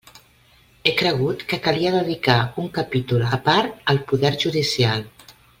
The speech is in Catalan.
He cregut que calia dedicar un capítol a part al poder judicial.